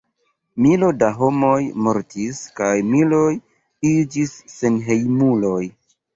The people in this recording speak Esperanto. Milo da homoj mortis kaj miloj iĝis senhejmuloj.